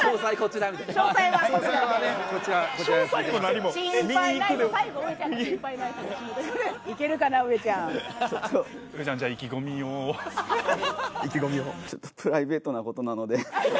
ちょっとプライベートなことなので。